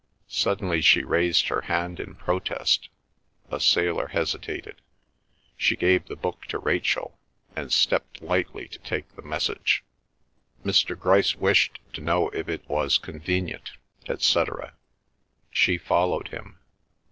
Suddenly she raised her hand in protest. A sailor hesitated; she gave the book to Rachel, and stepped lightly to take the message—"Mr. Grice wished to know if it was convenient," etc. She followed him.